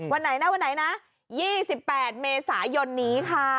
วันไหนนะวันไหนนะ๒๘เมษายนนี้ค่ะ